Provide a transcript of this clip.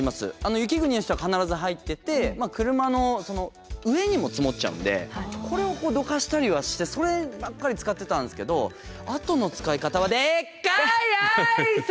雪国の人は必ず入ってて車の上にも積もっちゃうんでこれをこうどかしたりはしてそればっかり使ってたんですけどあとの使い方はでっかいアイス！